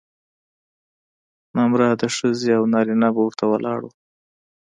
نامراده ښځې او نارینه به ورته ولاړ وو.